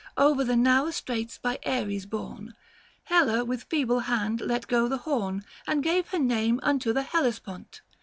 Over the narrow straits by Aries borne, Helle with feeble hand let go the horn, And gave her name unto the Hellespont.